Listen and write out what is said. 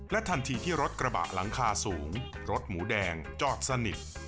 ทันทีที่รถกระบะหลังคาสูงรถหมูแดงจอดสนิท